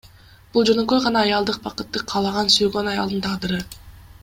Бул жөнөкөй гана аялдык бакытты каалаган сүйгөн аялдын тагдыры.